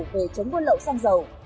về chống buôn lậu xăng dầu